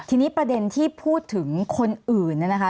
ทีนี้ประเด็นที่พูดถึงคนอื่นเนี่ยนะคะ